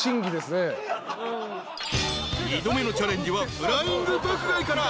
［二度目のチャレンジはフライング爆買いから］